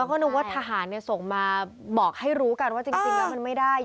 ก็นึกว่าทหารส่งมาบอกให้รู้กันว่าจริงแล้วมันไม่ได้